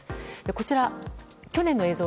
こちら、去年の映像。